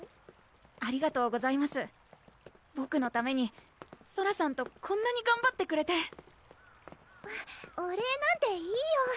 ありがとうございますボクのためにソラさんとこんなにがんばってくれてお礼なんていいよ